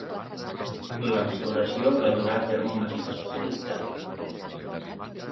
La restauració la durà a terme un equip especialitzat.